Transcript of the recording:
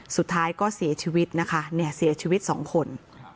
สุดท้ายก็เสียชีวิตนะคะเนี่ยเสียชีวิตสองคน